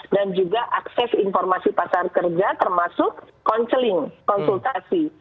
dan juga akses informasi pasar kerja termasuk counseling konsultasi